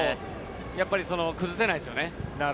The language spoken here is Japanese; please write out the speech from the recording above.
やっぱり崩せないですよね。